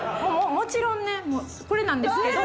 もちろんねこれなんですけど。